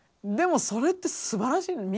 でもそれってすばらしい。